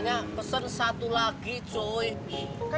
saya bisain dulu ya